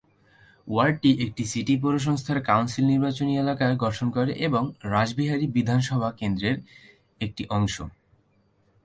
ওয়ার্ডটি একটি সিটি পৌরসংস্থার কাউন্সিল নির্বাচনী এলাকা গঠন করে এবং রাসবিহারী বিধানসভা কেন্দ্রর এর একটি অংশ।